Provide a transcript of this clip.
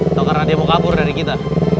atau karena dia mau kabur dari kita